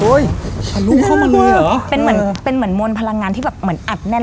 ทะลุเข้ามาเลยเหรอเป็นเหมือนเป็นเหมือนมนต์พลังงานที่แบบเหมือนอัดแน่น